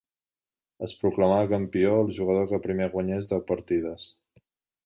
Es proclamava campió el jugador que primer guanyés deu partides.